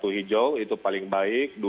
satu hijau itu paling baik